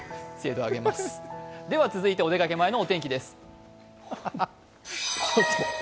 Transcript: お出かけ前のお天気です。